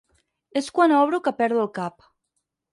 És quan obro que perdo el cap.